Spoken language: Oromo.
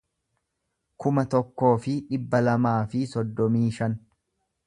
kuma tokkoo fi dhibba lamaa fi soddomii shan